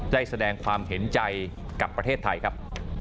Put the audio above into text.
ได้แสดงความเห็นใจกับประเทศไทยครับ